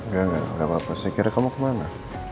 gak gak gak apa apa saya kira kamu kemana